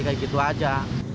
kayak gitu aja